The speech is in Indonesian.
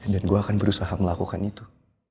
dan gue akan berusaha melakukan itu